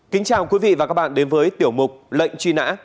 kính chào quý vị và các bạn đến với tiểu mục lệnh truy nã